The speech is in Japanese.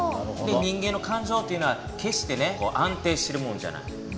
人間の感情というのは決して安定してるもんじゃない。